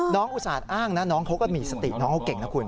อุตส่าห์อ้างนะน้องเขาก็มีสติน้องเขาเก่งนะคุณ